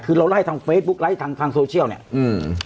คือเราไล่ทางเฟซบุ๊กไลค์ทางทางโซเชียลเนี้ยอืม